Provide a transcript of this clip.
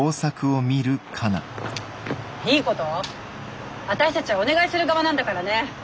いいこと私たちはお願いする側なんだからね。